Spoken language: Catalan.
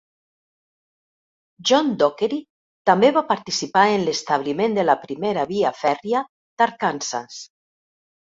John Dockery també va participar en l'establiment de la primera via fèrria d'Arkansas.